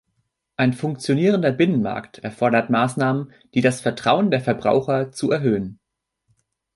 Ein funktionierender Binnenmarkt erfordert Maßnahmen, die das Vertrauen der Verbraucher zu erhöhen.